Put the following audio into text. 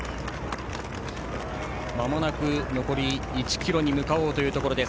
まもなく残り１ｋｍに向かおうというところです。